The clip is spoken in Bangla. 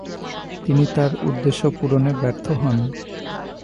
তিনি তার উদ্দেশ্য পূরণে ব্যর্থ হন।